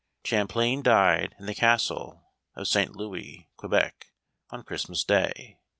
Champlain died in the Castle of St. Louis, Que bec, on Christmas Day.